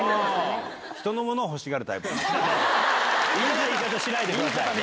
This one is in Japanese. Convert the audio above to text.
嫌な言い方しないでくださいね。